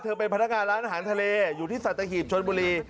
เป็นพนักงานร้านอาหารทะเลอยู่ที่สัตหีบชนบุรี